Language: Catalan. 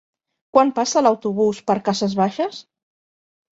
Quan passa l'autobús per Cases Baixes?